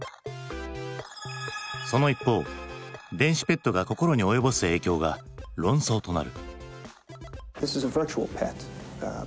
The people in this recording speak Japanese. その一方電子ペットが心に及ぼす影響が論争となる。